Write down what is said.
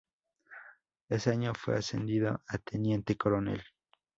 Ese año fue ascendido a Teniente coronel.